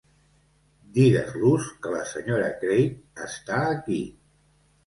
Digues-los que la Sra. Craig està aquí.